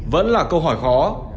vẫn là câu hỏi khó